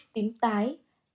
sáu tím tái